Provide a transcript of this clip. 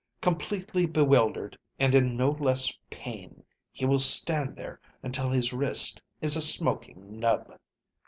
Completely bewildered, and in no less pain, he will stand there until his wrist is a smoking nub."